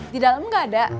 di dalam nggak ada